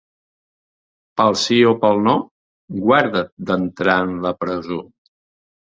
Pel sí o pel no, guarda't d'entrar en la presó.